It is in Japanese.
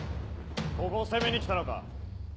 ここを攻めに来たのか？